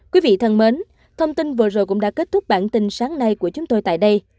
quý vị thân mến thông tin vừa rồi cũng đã kết thúc bản tin sáng nay của chúng tôi tại đây